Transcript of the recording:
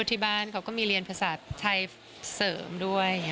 ที่บ้านเขาก็มีเรียนภาษาไทยเสริมด้วย